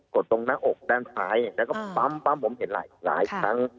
กดตรงหน้าอกด้านซ้ายเนี่ยแล้วก็ปั๊มปั๊มผมเห็นหลายหลายครั้ง